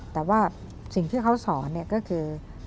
แต่ว่าสิ่งที่เขาสอนก็คือ